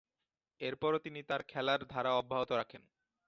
এরপরও তিনি তার খেলার ধারা অব্যাহত রাখেন।